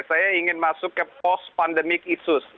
saya ingin masuk ke post pandemik isus